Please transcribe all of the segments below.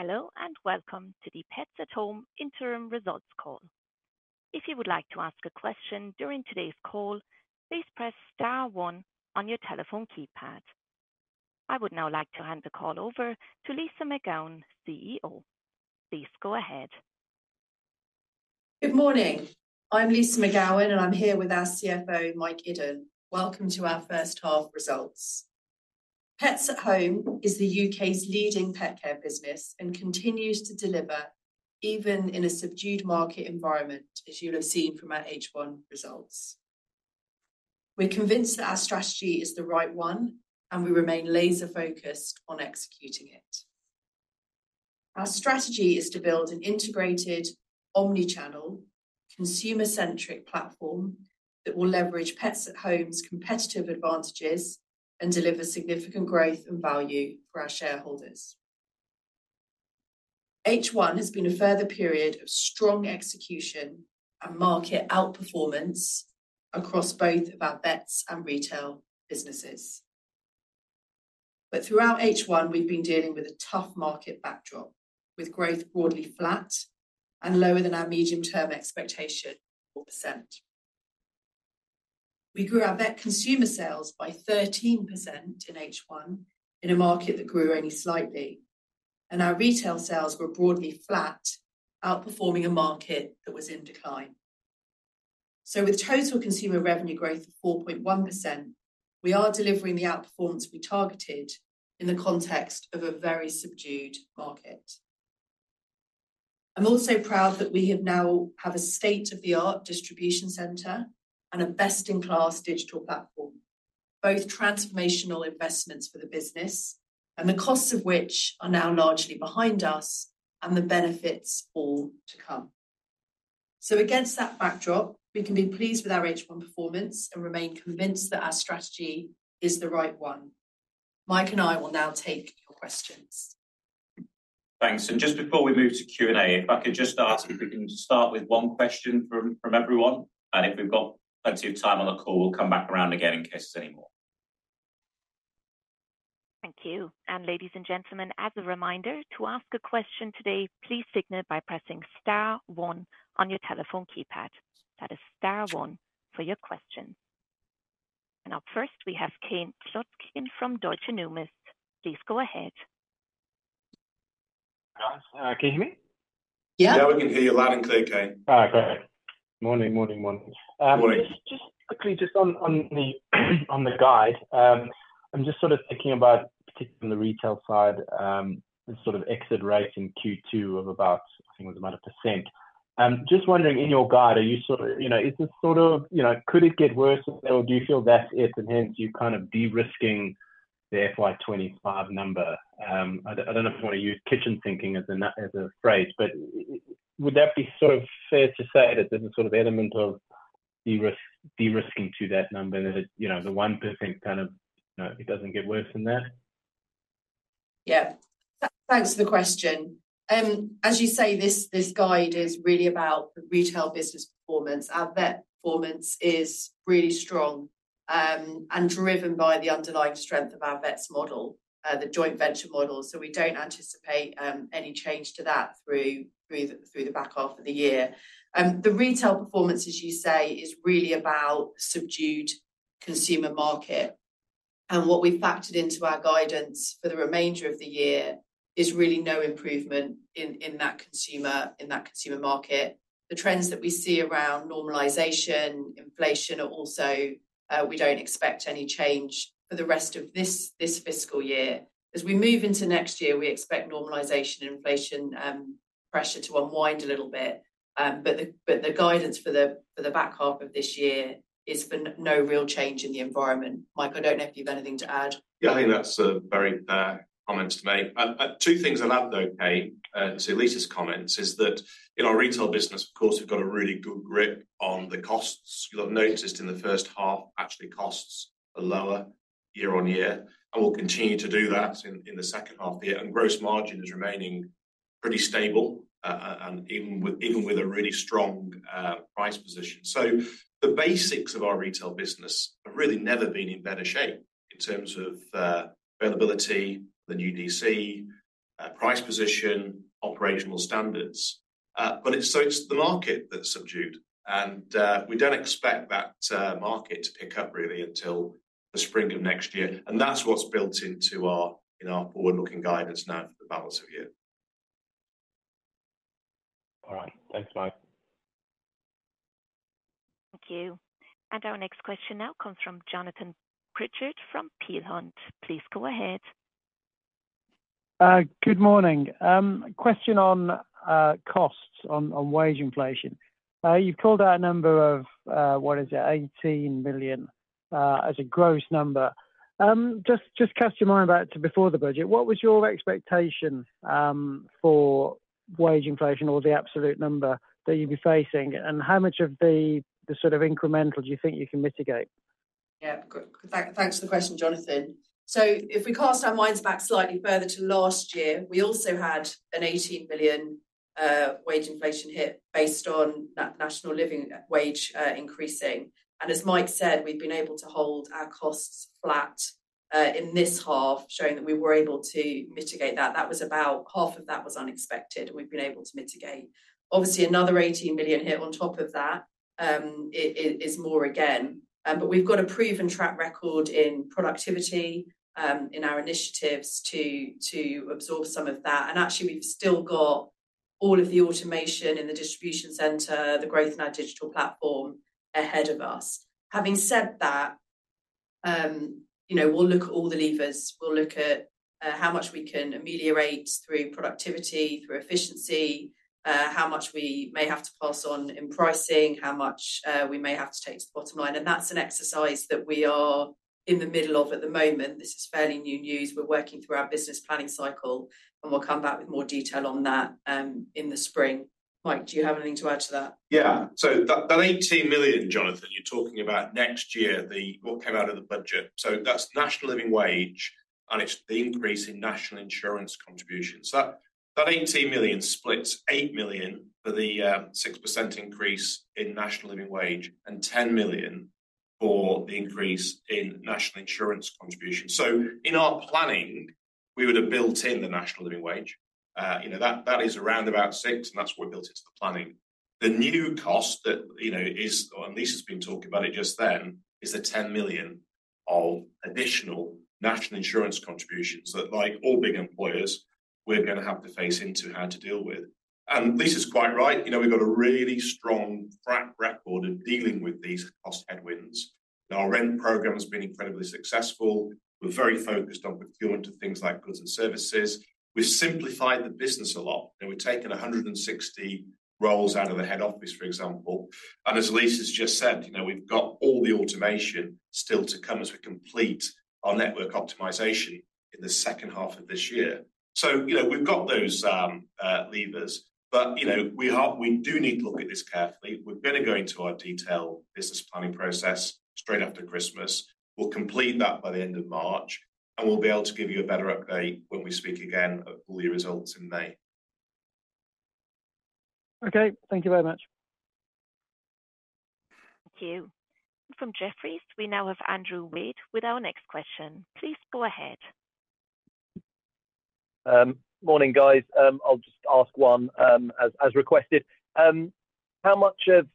Hello, and welcome to the Pets at Home Interim Results Call. If you would like to ask a question during today's call, please press star one on your telephone keypad. I would now like to hand the call over to Lyssa McGowan, CEO. Please go ahead. Good morning. I'm Lyssa McGowan, and I'm here with our CFO, Mike Iddon. Welcome to our first half results. Pets at Home is the U.K.'s leading pet care business and continues to deliver, even in a subdued market environment, as you'll have seen from our H1 results. We're convinced that our strategy is the right one, and we remain laser-focused on executing it. Our strategy is to build an integrated, omnichannel, consumer-centric platform that will leverage Pets at Home's competitive advantages and deliver significant growth and value for our shareholders. H1 has been a further period of strong execution and market outperformance across both of our vets and retail businesses, but throughout H1, we've been dealing with a tough market backdrop, with growth broadly flat and lower than our medium-term expectation of 4%. We grew our vet consumer sales by 13% in H1 in a market that grew only slightly, and our retail sales were broadly flat, outperforming a market that was in decline. So, with total consumer revenue growth of 4.1%, we are delivering the outperformance we targeted in the context of a very subdued market. I'm also proud that we now have a state-of-the-art distribution center and a best-in-class digital platform, both transformational investments for the business, and the costs of which are now largely behind us, and the benefits all to come. So, against that backdrop, we can be pleased with our H1 performance and remain convinced that our strategy is the right one. Mike and I will now take your questions. Thanks. And just before we move to Q&A, if I could just ask if we can start with one question from everyone, and if we've got plenty of time on the call, we'll come back around again in case there's any more. Thank you. And ladies and gentlemen, as a reminder, to ask a question today, please press it by pressing star one on your telephone keypad. That is star one for your question. And up first, we have Kieran Lee from Deutsche Numis. Please go ahead. Can you hear me? Yeah. Yeah, we can hear you loud and clear, Kieran. All right. Great. Morning. Just quickly, just on the guide, I'm just sort of thinking about, particularly on the retail side, the sort of exit rate in Q2 of about 1%. Just wondering, in your guide, are you sort of, is this sort of, could it get worse, or do you feel that's it, and hence you're kind of de-risking the FY25 number? I don't know if you want to use kitchen sinking as a phrase, but would that be sort of fair to say that there's a sort of element of de-risking to that number, the 1% kind of, it doesn't get worse than that? Yeah. Thanks for the question. As you say, this guide is really about the retail business performance. Our vet performance is really strong and driven by the underlying strength of our vets model, the joint venture model, so we don't anticipate any change to that through the back half of the year. The retail performance, as you say, is really about subdued consumer market, and what we've factored into our guidance for the remainder of the year is really no improvement in that consumer market. The trends that we see around normalization, inflation, are also we don't expect any change for the rest of this fiscal year. As we move into next year, we expect normalization and inflation pressure to unwind a little bit, but the guidance for the back half of this year is for no real change in the environment. Mike, I don't know if you've anything to add. Yeah, I think that's a very fair comment to make. Two things I'd add, though, Kieran, to Lyssa's comments, is that in our retail business, of course, we've got a really good grip on the costs. You'll have noticed in the first half, actually, costs are lower year on year, and we'll continue to do that in the second half of the year, and gross margin is remaining pretty stable, and even with a really strong price position. So the basics of our retail business have really never been in better shape in terms of availability, the new DC, price position, operational standards, but it's the market that's subdued, and we don't expect that market to pick up really until the spring of next year, and that's what's built into our forward-looking guidance now for the balance of the year. All right. Thanks, Mike. Thank you. And our next question now comes from Jonathan Pritchard from Peel Hunt. Please go ahead. Good morning. Question on costs, on wage inflation. You've called out a number of, what is it, 18 million as a gross number. Just cast your mind about it before the budget. What was your expectation for wage inflation or the absolute number that you'd be facing, and how much of the sort of incremental do you think you can mitigate? Yeah. Thanks for the question, Jonathan. So if we cast our minds back slightly further to last year, we also had a 18 million wage inflation hit based on National Living Wage increasing. And as Mike said, we've been able to hold our costs flat in this half, showing that we were able to mitigate that. That was about half of that was unexpected, and we've been able to mitigate. Obviously, another 18 million hit on top of that is more again. But we've got a proven track record in productivity in our initiatives to absorb some of that. And actually, we've still got all of the automation in the distribution center, the growth in our digital platform ahead of us. Having said that, we'll look at all the levers. We'll look at how much we can ameliorate through productivity, through efficiency, how much we may have to pass on in pricing, how much we may have to take to the bottom line, and that's an exercise that we are in the middle of at the moment. This is fairly new news. We're working through our business planning cycle, and we'll come back with more detail on that in the spring. Mike, do you have anything to add to that? Yeah. So that 18 million, Jonathan, you're talking about next year, what came out of the budget. So that's National Living Wage, and it's the increase in National Insurance contributions. That 18 million splits 8 million for the 6% increase in National Living Wage and 10 million for the increase in National Insurance contributions. So in our planning, we would have built in the National Living Wage. That is around about 6, and that's what we built into the planning. The new cost that Lyssa's been talking about just then is the 10 million of additional National Insurance contributions that, like all big employers, we're going to have to face into how to deal with. And Lyssa's quite right. We've got a really strong track record of dealing with these cost headwinds. Our rent program has been incredibly successful. We're very focused on procurement of things like goods and services. We've simplified the business a lot. We've taken 160 roles out of the head office, for example, and as Lyssa's just said, we've got all the automation still to come as we complete our network optimization in the second half of this year, so we've got those levers, but we do need to look at this carefully. We're going to go into our detailed business planning process straight after Christmas. We'll complete that by the end of March, and we'll be able to give you a better update when we speak again of all the results in May. Okay. Thank you very much. Thank you. From Jefferies, we now have Andrew Wade with our next question. Please go ahead. Morning, guys. I'll just ask one, as requested. How much of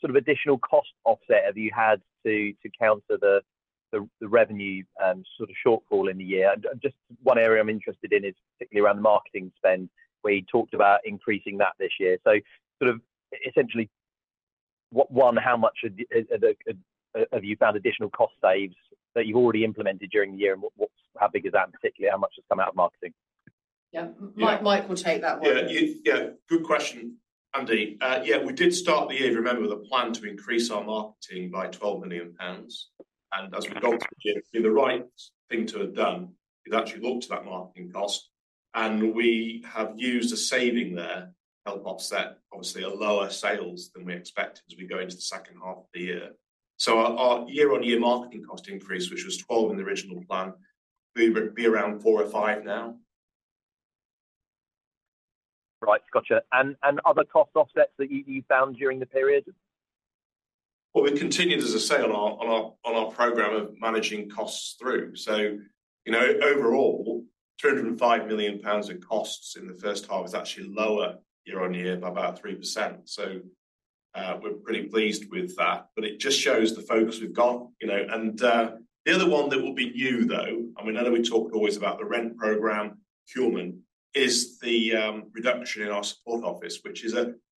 sort of additional cost offset have you had to counter the revenue sort of shortfall in the year? And just one area I'm interested in is particularly around the marketing spend, where you talked about increasing that this year. So sort of essentially, one, how much have you found additional cost saves that you've already implemented during the year, and how big is that, and particularly how much has come out of marketing? Yeah. Mike will take that one. Yeah. Good question, Andy. Yeah, we did start the year, remember, with a plan to increase our marketing by 12 million pounds, and as we got to the year, the right thing to have done is actually look to that marketing cost, and we have used a saving there to help offset, obviously, lower sales than we expected as we go into the second half of the year, so our year-on-year marketing cost increase, which was 12 in the original plan, will be around four or five now. Right. Gotcha. And other cost offsets that you found during the period? We continued, as I say, on our program of managing costs through. Overall, GBP 205 million in costs in the first half is actually lower year-on-year by about 3%. We're pretty pleased with that. It just shows the focus we've got. The other one that will be new, though, I mean, I know we talked always about the rent program procurement, is the reduction in our support office, which is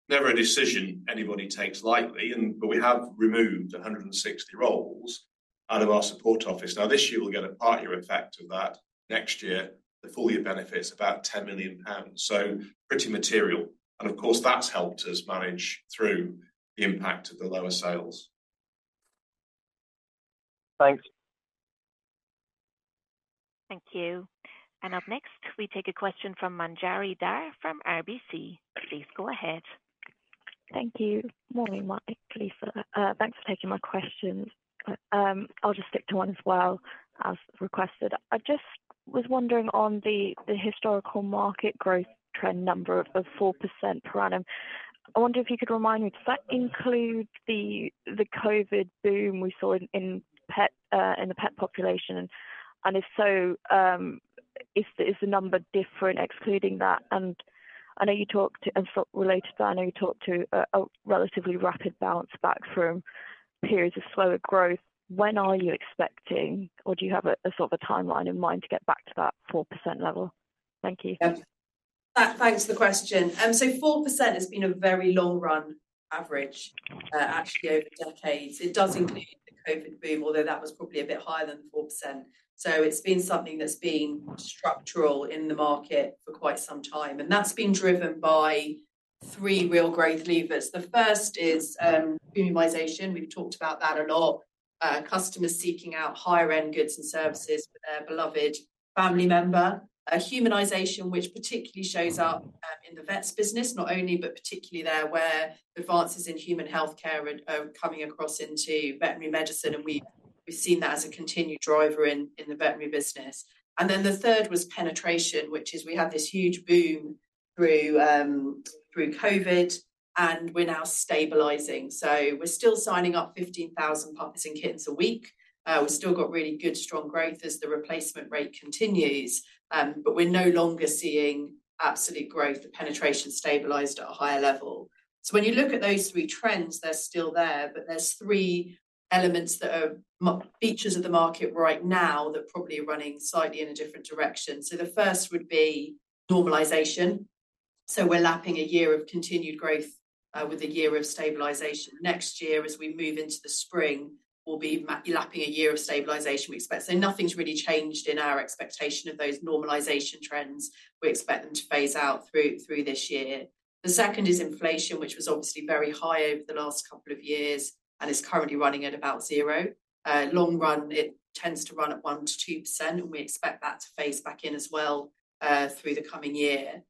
never a decision anybody takes lightly. We have removed 160 roles out of our support office. Now, this year, we'll get a part-year effect of that. Next year, the full-year benefit's about 10 million pounds. Pretty material. Of course, that's helped us manage through the impact of the lower sales. Thanks. Thank you. Up next, we take a question from Manjari Dhar from RBC. Please go ahead. Thank you. Morning, Mike, Lyssa. Thanks for taking my questions. I'll just stick to one as well, as requested. I just was wondering on the historical market growth trend number of 4% per annum. I wonder if you could remind me, does that include the COVID boom we saw in the pet population? And if so, is the number different excluding that? And I know you talked about, and related to that, a relatively rapid bounce back from periods of slower growth. When are you expecting, or do you have a sort of a timeline in mind to get back to that 4% level? Thank you. Thanks for the question. So 4% has been a very long-run average, actually, over decades. It does include the COVID boom, although that was probably a bit higher than 4%. So it's been something that's been structural in the market for quite some time. And that's been driven by three real growth levers. The first is humanization. We've talked about that a lot. Customers seeking out higher-end goods and services for their beloved family member. Humanization, which particularly shows up in the vets business, not only, but particularly there where the advances in human healthcare are coming across into veterinary medicine, and we've seen that as a continued driver in the veterinary business. And then the third was penetration, which is we had this huge boom through COVID, and we're now stabilizing. So we're still signing up 15,000 puppies and kittens a week. We've still got really good, strong growth as the replacement rate continues, but we're no longer seeing absolute growth. The penetration stabilized at a higher level. So when you look at those three trends, they're still there, but there's three elements that are features of the market right now that probably are running slightly in a different direction. So the first would be normalization. So we're lapping a year of continued growth with a year of stabilization. Next year, as we move into the spring, we'll be lapping a year of stabilization we expect. So nothing's really changed in our expectation of those normalization trends. We expect them to phase out through this year. The second is inflation, which was obviously very high over the last couple of years and is currently running at about zero. In the long run, it tends to run at 1%-2%, and we expect that to phase back in as well through the coming year.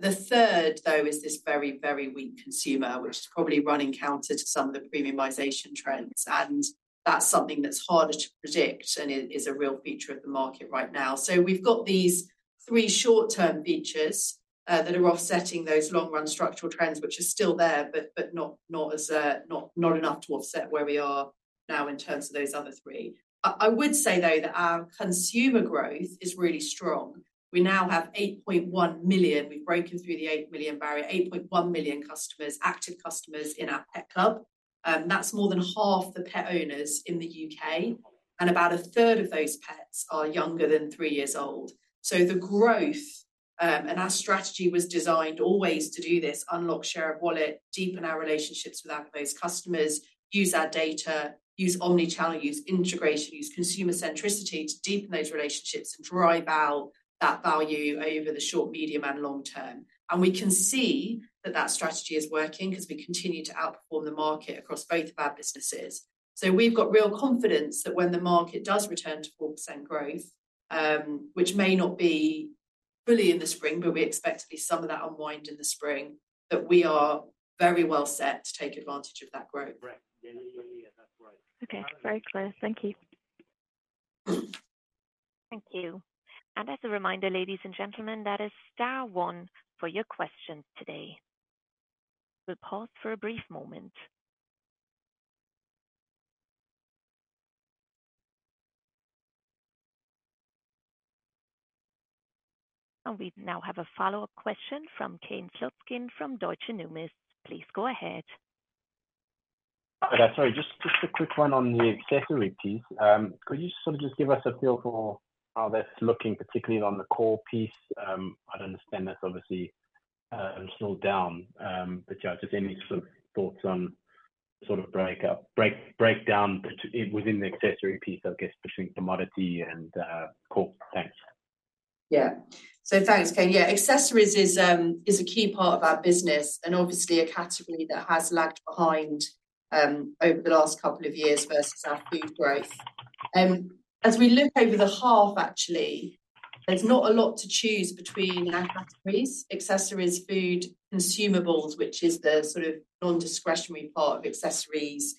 The third, though, is this very, very weak consumer, which is probably running counter to some of the premiumization trends. And that's something that's harder to predict and is a real feature of the market right now. So we've got these three short-term features that are offsetting those long-run structural trends, which are still there, but not enough to offset where we are now in terms of those other three. I would say, though, that our consumer growth is really strong. We now have 8.1 million. We've broken through the 8 million barrier, 8.1 million customers, active customers in our Pets Club. That's more than half the pet owners in the U.K., and about a third of those pets are younger than three years old. So the growth, and our strategy was designed always to do this, unlock share of wallet, deepen our relationships with our customers, use our data, use omnichannel, use integration, use consumer centricity to deepen those relationships and drive out that value over the short, medium, and long term. And we can see that that strategy is working because we continue to outperform the market across both of our businesses. So we've got real confidence that when the market does return to 4% growth, which may not be fully in the spring, but we expect to see some of that unwind in the spring, that we are very well set to take advantage of that growth. Right. Yeah, that's right. Okay. Very clear. Thank you. Thank you. And as a reminder, ladies and gentlemen, that is Star One for your questions today. We'll pause for a brief moment. And we now have a follow-up question from Kieran Lee from Deutsche Numis. Please go ahead. Sorry. Just a quick one on the accessory piece. Could you sort of just give us a feel for how that's looking, particularly on the core piece? I'd understand that's obviously slowed down. But yeah, just any sort of thoughts on sort of breakdown within the accessory piece, I guess, between commodity and core. Thanks. Yeah. So thanks, Kieran. Yeah, accessories is a key part of our business and obviously a category that has lagged behind over the last couple of years versus our food growth. As we look over the half, actually, there's not a lot to choose between our categories. Accessories, food, consumables, which is the sort of non-discretionary part of accessories,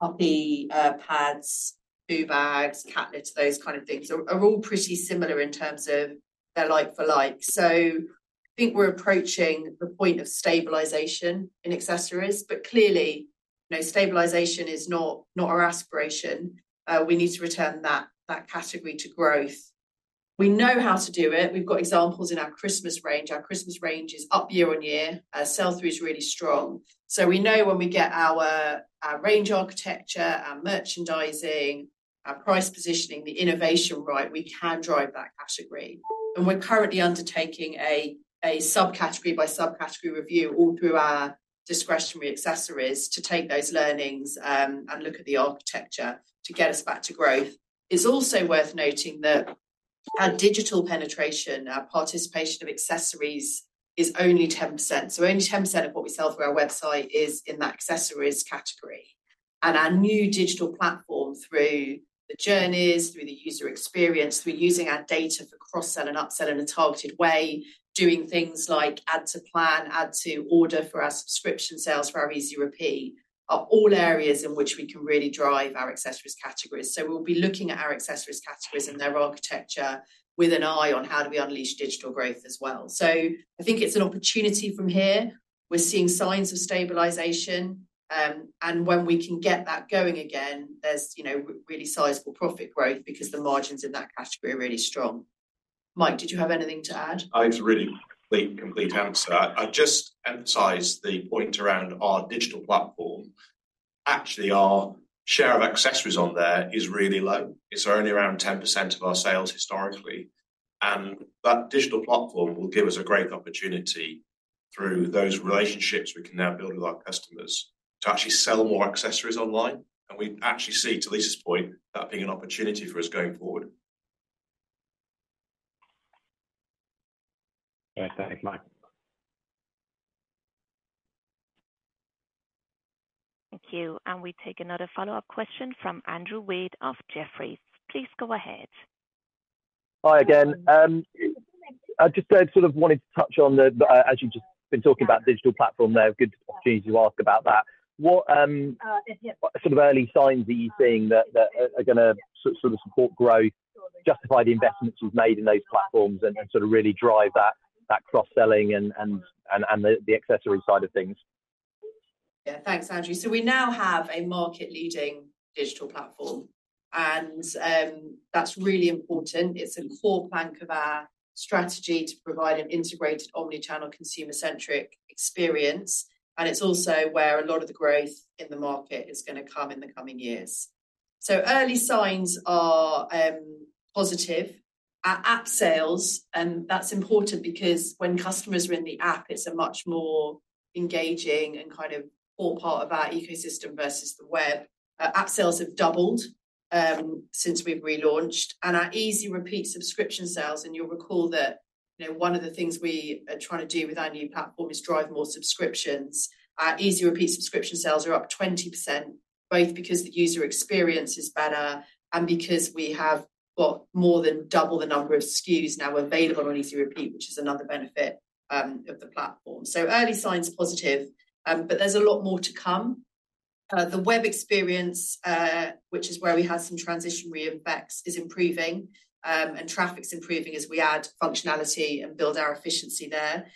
puppy pads, food bags, cat litter, those kind of things are all pretty similar in terms of they're like for like. So I think we're approaching the point of stabilization in accessories. But clearly, stabilization is not our aspiration. We need to return that category to growth. We know how to do it. We've got examples in our Christmas range. Our Christmas range is up year on year. Sell-through is really strong. We know when we get our range architecture, our merchandising, our price positioning, the innovation right, we can drive that category. We're currently undertaking a subcategory-by-subcategory review all through our discretionary accessories to take those learnings and look at the architecture to get us back to growth. It's also worth noting that our digital penetration, our participation of accessories, is only 10%. Only 10% of what we sell through our website is in that accessories category. Our new digital platform, through the journeys, through the user experience, through using our data for cross-sell and upsell in a targeted way, doing things like add-to-plan, add-to-order for our subscription sales, for our Easy Repeat, are all areas in which we can really drive our accessories categories. So we'll be looking at our accessories categories and their architecture with an eye on how do we unleash digital growth as well. So I think it's an opportunity from here. We're seeing signs of stabilization. And when we can get that going again, there's really sizable profit growth because the margins in that category are really strong. Mike, did you have anything to add? It's a really complete answer. I'd just emphasize the point around our digital platform. Actually, our share of accessories on there is really low. It's only around 10% of our sales historically. And that digital platform will give us a great opportunity through those relationships we can now build with our customers to actually sell more accessories online. And we actually see, to Lyssa's point, that being an opportunity for us going forward. Thanks, Mike. Thank you. And we take another follow-up question from Andrew Wade of Jefferies. Please go ahead. Hi, again. I just sort of wanted to touch on, as you've just been talking about digital platform there, good opportunity to ask about that. What sort of early signs are you seeing that are going to sort of support growth, justify the investments you've made in those platforms, and sort of really drive that cross-selling and the accessory side of things? Yeah. Thanks, Andrew. So we now have a market-leading digital platform. And that's really important. It's a core plank of our strategy to provide an integrated omnichannel consumer-centric experience. And it's also where a lot of the growth in the market is going to come in the coming years. So early signs are positive. Our app sales, that's important because when customers are in the app, it's a much more engaging and kind of core part of our ecosystem versus the web. Our app sales have doubled since we've relaunched. And our Easy Repeat subscription sales, and you'll recall that one of the things we are trying to do with our new platform is drive more subscriptions. Our Easy Repeat subscription sales are up 20%, both because the user experience is better and because we have got more than double the number of SKUs now available on Easy Repeat, which is another benefit of the platform, so early signs positive, but there's a lot more to come. The web experience, which is where we have some transitionary effects, is improving, and traffic's improving as we add functionality and build our efficiency there.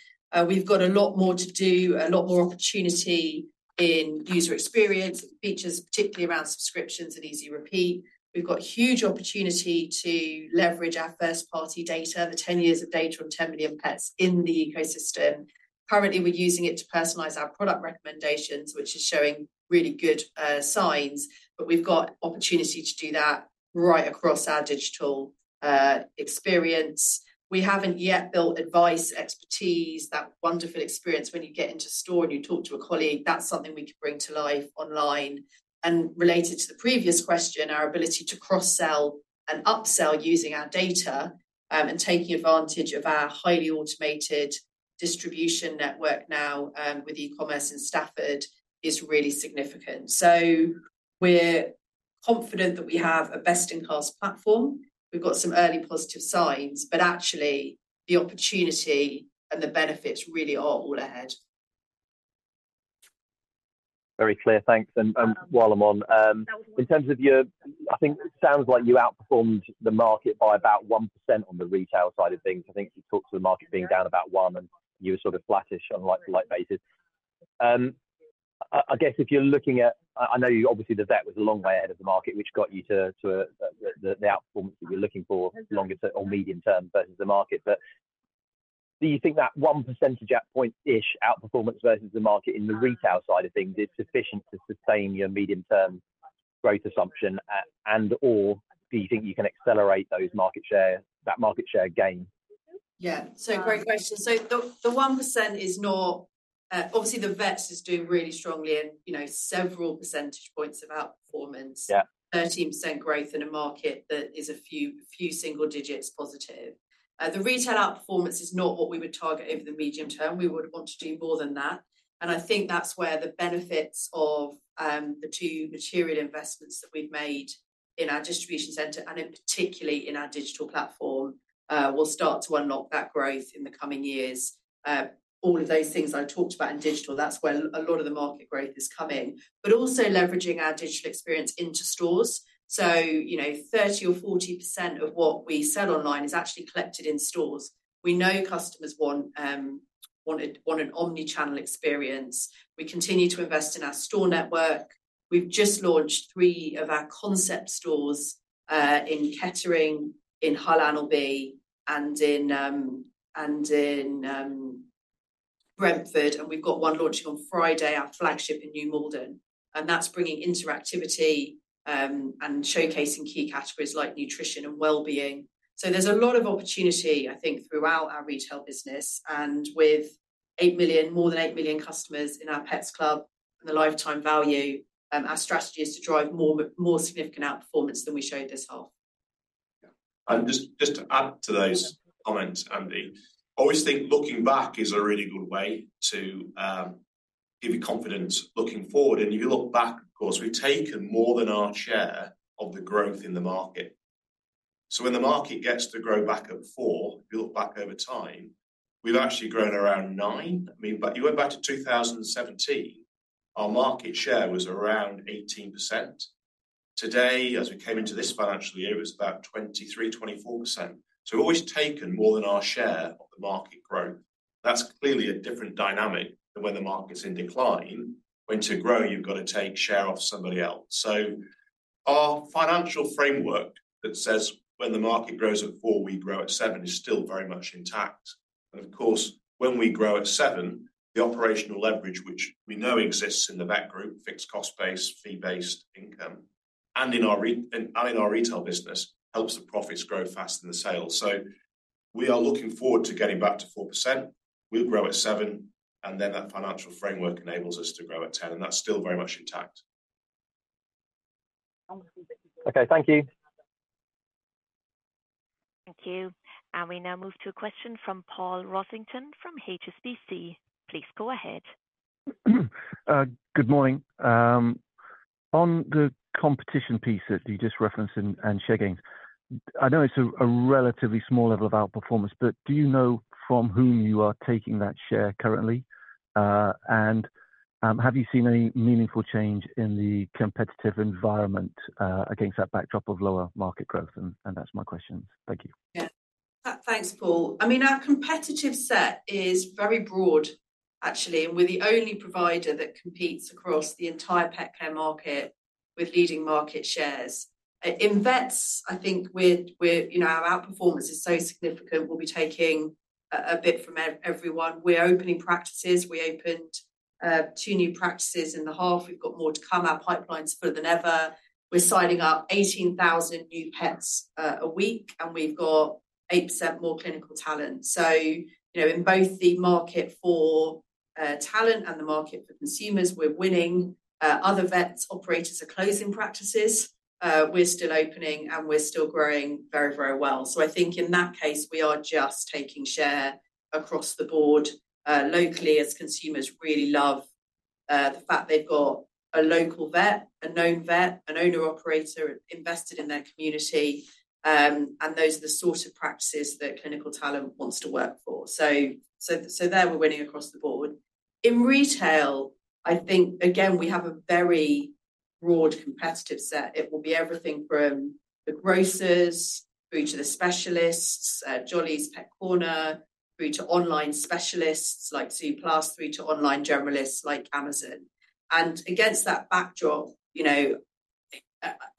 We've got a lot more to do, a lot more opportunity in user experience and features, particularly around subscriptions and Easy Repeat. We've got huge opportunity to leverage our first-party data, the 10 years of data on 10 million pets in the ecosystem. Currently, we're using it to personalize our product recommendations, which is showing really good signs, but we've got opportunity to do that right across our digital experience. We haven't yet built advice, expertise, that wonderful experience when you get into a store and you talk to a colleague. That's something we can bring to life online, and related to the previous question, our ability to cross-sell and upsell using our data and taking advantage of our highly automated distribution network now with e-commerce and Stafford is really significant, so we're confident that we have a best-in-class platform. We've got some early positive signs, but actually, the opportunity and the benefits really are all ahead. Very clear. Thanks. And while I'm on, in terms of your, I think it sounds like you outperformed the market by about 1% on the retail side of things. I think you talked about the market being down about 1%, and you were sort of flattish on like-for-like basis. I guess if you're looking at, I know obviously the vet was a long way ahead of the market, which got you to the outperformance that you're looking for, longer term or medium term versus the market. But do you think that 1 percentage point-ish outperformance versus the market in the retail side of things is sufficient to sustain your medium-term growth assumption? And/or do you think you can accelerate that market share gain? Yeah. So great question. So the 1% is not. Obviously, the vets is doing really strongly in several percentage points of outperformance, 13% growth in a market that is a few single digits positive. The retail outperformance is not what we would target over the medium term. We would want to do more than that, and I think that's where the benefits of the two material investments that we've made in our distribution center and particularly in our digital platform will start to unlock that growth in the coming years. All of those things I talked about in digital, that's where a lot of the market growth is coming, but also leveraging our digital experience into stores, so 30%-40% of what we sell online is actually collected in stores. We know customers want an omnichannel experience. We continue to invest in our store network. We've just launched three of our concept stores in Kettering, in Hull Anlaby, and in Brentford, and we've got one launching on Friday, our flagship in New Malden, and that's bringing interactivity and showcasing key categories like nutrition and well-being, so there's a lot of opportunity, I think, throughout our retail business, and with more than eight million customers in our Pets Club and the lifetime value, our strategy is to drive more significant outperformance than we showed this half. Yeah. And just to add to those comments, Andy, I always think looking back is a really good way to give you confidence looking forward. And if you look back, of course, we've taken more than our share of the growth in the market. So when the market gets to grow back at four, if you look back over time, we've actually grown around nine. I mean, but you went back to 2017, our market share was around 18%. Today, as we came into this financial year, it was about 23%-24%. So we've always taken more than our share of the market growth. That's clearly a different dynamic than when the market's in decline. When to grow, you've got to take share off somebody else. So our financial framework that says when the market grows at four, we grow at seven is still very much intact. Of course, when we grow at seven, the operational leverage, which we know exists in the vet group, fixed cost-based, fee-based income, and in our retail business helps the profits grow faster than the sales. So we are looking forward to getting back to 4%. We'll grow at seven, and then that financial framework enables us to grow at 10%. And that's still very much intact. Okay. Thank you. Thank you. And we now move to a question from Paul Rossington from HSBC. Please go ahead. Good morning. On the competition piece that you just referenced and share gains, I know it's a relatively small level of outperformance, but do you know from whom you are taking that share currently? And have you seen any meaningful change in the competitive environment against that backdrop of lower market growth? And that's my question. Thank you. Yeah. Thanks, Paul. I mean, our competitive set is very broad, actually, and we're the only provider that competes across the entire pet care market with leading market shares. In vets, I think our outperformance is so significant. We'll be taking a bit from everyone. We're opening practices. We opened two new practices in the half. We've got more to come. Our pipeline's fuller than ever. We're signing up 18,000 new pets a week, and we've got 8% more clinical talent. So in both the market for talent and the market for consumers, we're winning. Other vets operators are closing practices. We're still opening, and we're still growing very, very well. So I think in that case, we are just taking share across the board locally as consumers really love the fact they've got a local vet, a known vet, an owner-operator invested in their community. Those are the sort of practices that clinical talent wants to work for. So there, we're winning across the board. In retail, I think, again, we have a very broad competitive set. It will be everything from the grocers through to the specialists, Jollyes, Pets Corner, through to online specialists like Zooplus, through to online generalists like Amazon. And against that backdrop,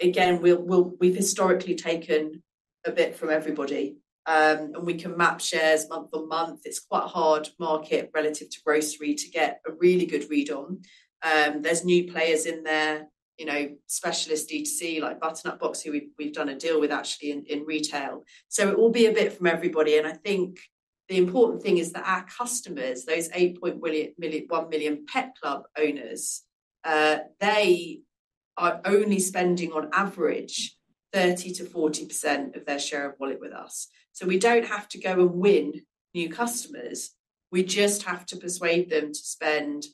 again, we've historically taken a bit from everybody. And we can map shares month-on-month. It's quite a hard market relative to grocery to get a really good read on. There's new players in there, specialist DTC like Butternut Box, who we've done a deal with actually in retail. So it will be a bit from everybody. And I think the important thing is that our customers, those 8.1 million Pets Club owners, they are only spending on average 30%-40% of their share of wallet with us. So we don't have to go and win new customers. We just have to persuade them to spend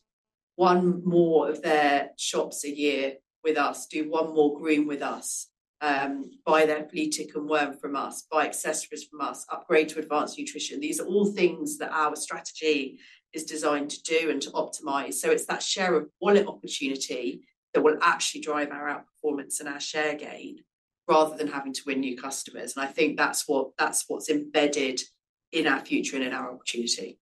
one more of their shops a year with us, do one more groom with us, buy their flea tick and worm from us, buy accessories from us, upgrade to advanced nutrition. These are all things that our strategy is designed to do and to optimize. So it's that share of wallet opportunity that will actually drive our outperformance and our share gain rather than having to win new customers. And I think that's what's embedded in our future and in our opportunity.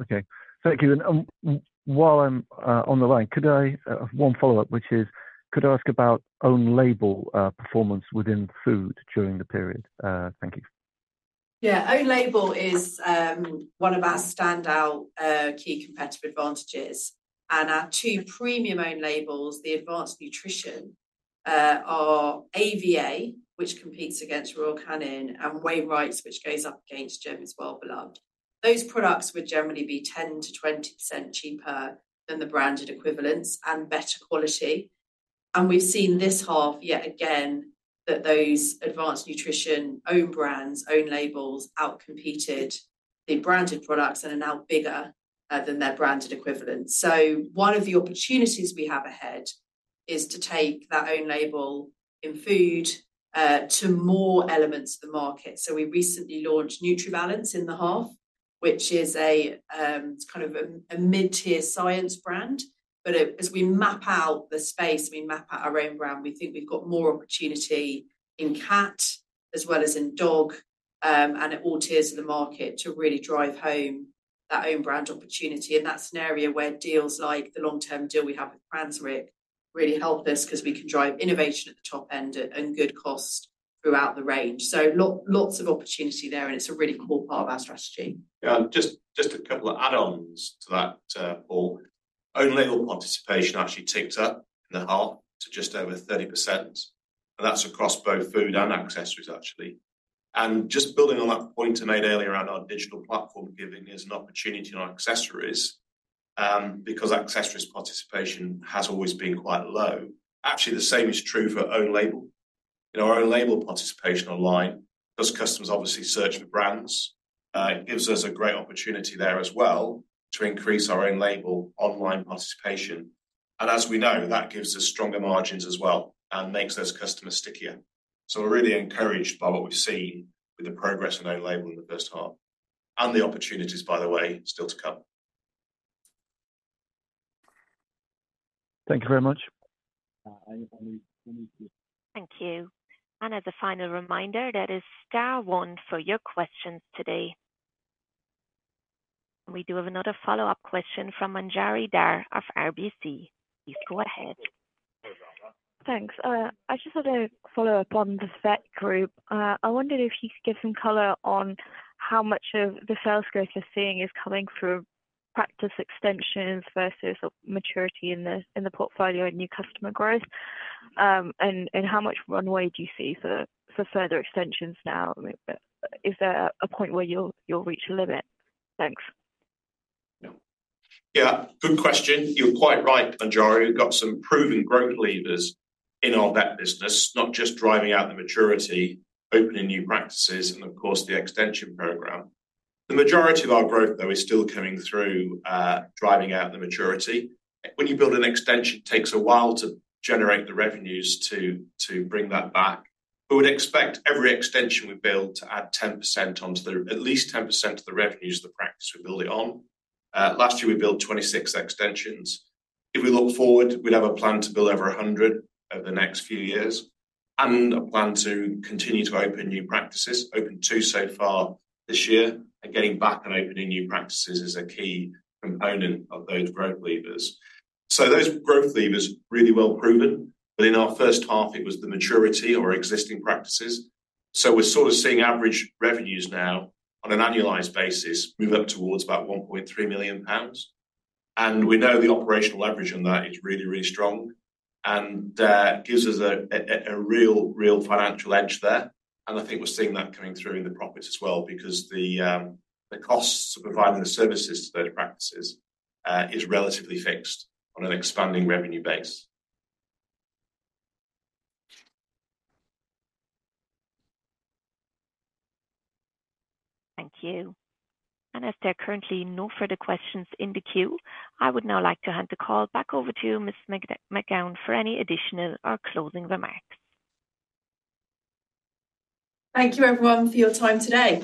Okay. Thank you. And while I'm on the line, could I have one follow-up, which is, could I ask about own label performance within food during the period? Thank you. Yeah. Own label is one of our standout key competitive advantages. And our two premium own labels, the advanced nutrition, are AVA, which competes against Royal Canin, and Wainwright's, which goes up against James Wellbeloved. Those products would generally be 10%-20% cheaper than the branded equivalents and better quality. And we've seen this half, yet again, that those advanced nutrition own brands, own labels outcompeted the branded products and are now bigger than their branded equivalents. So one of the opportunities we have ahead is to take that own label in food to more elements of the market. So we recently launched NutriBalance in the half, which is kind of a mid-tier science brand. But as we map out the space, we map out our own brand, we think we've got more opportunity in cat as well as in dog and at all tiers of the market to really drive home that own brand opportunity. And that's an area where deals like the long-term deal we have with Cranswick really help us because we can drive innovation at the top end at good cost throughout the range. So lots of opportunity there, and it's a really core part of our strategy. Yeah. Just a couple of add-ons to that, Paul. Own label participation actually ticks up in the half to just over 30%. That's across both food and accessories, actually. Just building on that point I made earlier around our digital platform giving us an opportunity on accessories because accessories participation has always been quite low. Actually, the same is true for own label. Our own label participation online, because customers obviously search for brands. It gives us a great opportunity there as well to increase our own label online participation. As we know, that gives us stronger margins as well and makes those customers stickier. We're really encouraged by what we've seen with the progress on own label in the first half, and the opportunities, by the way, still to come. Thank you very much. Thank you. And as a final reminder, that's all for your questions today. And we do have another follow-up question from Manjari Dhar of RBC. Please go ahead. Thanks. I just want to follow up on the vet group. I wondered if you could give some color on how much of the sales growth you're seeing is coming through practice extensions versus maturity in the portfolio and new customer growth. And how much runway do you see for further extensions now? Is there a point where you'll reach a limit? Thanks. Yeah. Good question. You're quite right, Manjari. We've got some proven growth leaders in our vet business, not just driving out the maturity, opening new practices, and of course, the extension program. The majority of our growth, though, is still coming through driving out the maturity. When you build an extension, it takes a while to generate the revenues to bring that back. We would expect every extension we build to add 10% onto the at least 10% of the revenues of the practice we build it on. Last year, we built 26 extensions. If we look forward, we'd have a plan to build over 100 over the next few years and a plan to continue to open new practices. Opened two so far this year. And getting back and opening new practices is a key component of those growth leaders. So those growth leaders are really well proven. But in our first half, it was the maturity or existing practices. So we're sort of seeing average revenues now on an annualized basis move up towards about 1.3 million pounds. And we know the operational leverage on that is really, really strong. And that gives us a real financial edge there. And I think we're seeing that coming through in the profits as well because the costs of providing the services to those practices is relatively fixed on an expanding revenue base. Thank you. And as there are currently no further questions in the queue, I would now like to hand the call back over to Ms. McGowan for any additional or closing remarks. Thank you, everyone, for your time today.